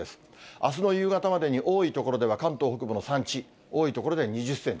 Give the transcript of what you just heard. あすの夕方までに多い所では関東北部の山地、多い所で２０センチ。